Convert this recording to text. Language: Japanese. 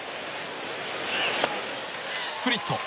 スプリット。